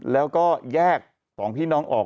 แล้วก็แยก๒พี่น้องออก